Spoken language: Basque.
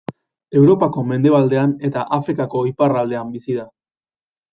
Europako mendebalean eta Afrikako iparraldean bizi da.